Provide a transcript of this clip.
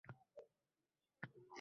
Yarq etib ko‘zga tashlanadilar.